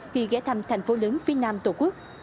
khi ghé thăm thành phố lớn phía nam tổ quốc